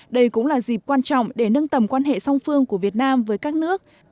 đây cũng là dịp quan trọng để nâng tầm quan hệ song phương của việt nam với các nước